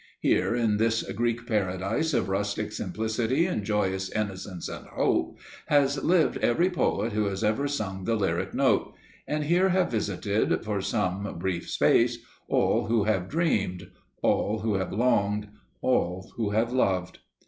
Here in this Greek paradise of rustic simplicity and joyous innocence and hope, has lived every poet who has ever sung the lyric note, and here have visited, for some brief space, all who have dreamed, all who have longed, all who have loved.